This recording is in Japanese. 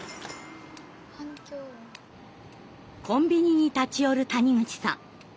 コンビニに立ち寄る谷口さん。